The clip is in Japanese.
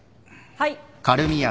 はい。